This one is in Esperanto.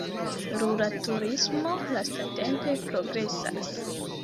Rura turismo lastatempe progresas.